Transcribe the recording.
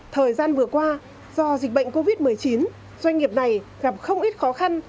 thời gian vừa qua do dịch bệnh covid một mươi chín doanh nghiệp này gặp không ít khó khăn